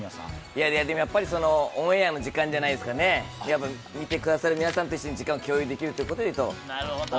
やっぱりオンエアの時間じゃないですかね、見てくださる皆さんと一緒に時間を共有できるということでいうと。